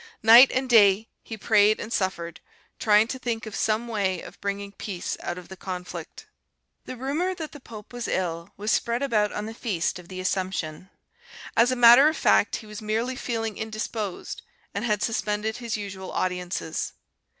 Night and day he prayed and suffered, trying to think of some way of bringing peace out of the conflict. The rumour that the pope was ill was spread about on the feast of the Assumption. As a matter of fact, he was merely feeling indisposed, and had suspended his usual audiences.